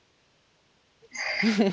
フフフ。